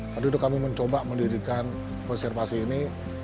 waktu itu kami mencoba mendirikan konservasi ini